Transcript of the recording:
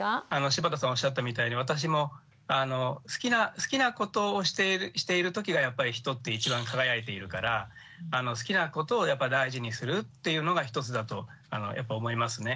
柴田さんおっしゃったみたいに私も好きなことをしている時がやっぱり人って一番輝いているから好きなことを大事にするっていうのが一つだとやっぱ思いますね。